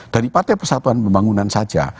dari partai persatuan pembangunan saja